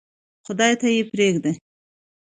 خدای ته یې پرېږدم.